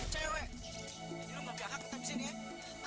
cewek ini lo gak ada hak ngetem di sini ya